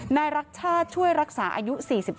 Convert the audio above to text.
นายรักชาติช่วยรักษาอายุ๔๒